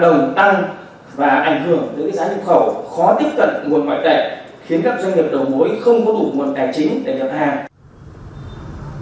và ảnh hưởng tới giá nhập khẩu khó tiếp cận nguồn ngoại tệ khiến các doanh nghiệp đầu mối không có đủ nguồn tài chính để gặp hàng